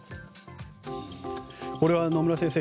これは野村先生